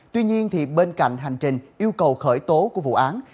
tuy nhiên bên cạnh hành trình yêu cầu khởi tố của vụ án